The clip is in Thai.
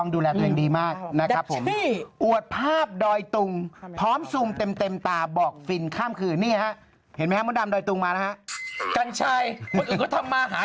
ดูช่วงนี้ใช่ล่ะทีมันเปล่าตามลายแล้วทำไรออลลอบกลัวมันเปล่า